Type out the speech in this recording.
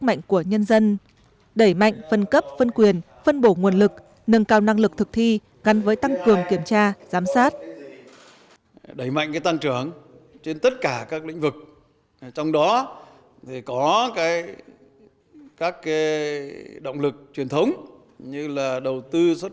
mạnh phân cấp phân quyền phân bổ nguồn lực nâng cao năng lực thực thi ngăn với tăng cường kiểm tra giám sát